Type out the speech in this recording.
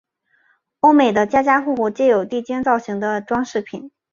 欧美的家家户户皆有地精造型的装饰品。